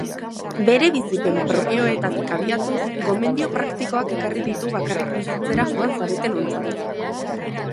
Bere bizipen propioetatik abiatuz gomendio praktikoak ekarri ditu bakarrik bizitzera joan zaretenontzat.